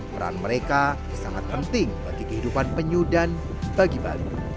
peran mereka sangat penting bagi kehidupan penyu dan bagi bali